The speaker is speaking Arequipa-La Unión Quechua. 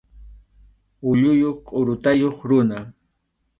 Ulluyuq qʼurutayuq runa.